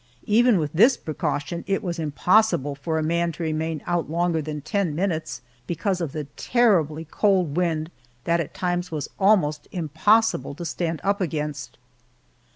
Even with this precaution it was impossible for a man to remain out longer than ten minutes, because of the terribly cold wind that at times was almost impossible to stand up against.